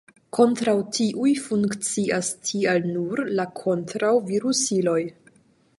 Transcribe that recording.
Kontraŭ tiuj funkcias tial nur la kontraŭ-virusiloj.